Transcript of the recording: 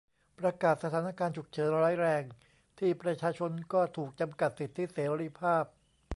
ประกาศสถานการณ์ฉุกเฉินร้ายแรง ที่ประชาชนก็ถูกจำกัดสิทธิเสรีภาพ